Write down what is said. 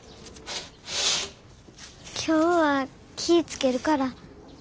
今日は気ぃ付けるから。